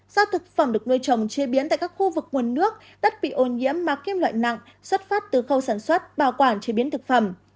do thực phẩm được nuôi trồng chế biến tại các khu vực nguồn nước đất bị ô nhiễm mà kim loại nặng xuất phát từ khâu sản xuất bảo quản chế biến thực phẩm